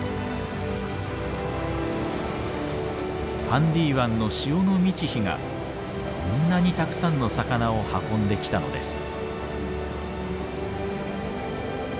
ファンディ湾の潮の満ち干がこんなにたくさんの魚を運んできたのです。